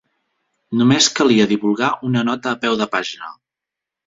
Només calia divulgar una nota a peu de pàgina.